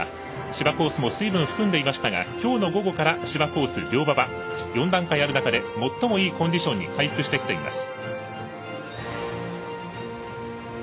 芝コースも水分を含んでいましたがきょうの午後から芝コース、良馬場４段階ある中でもっともよいコンディションに回復してきています。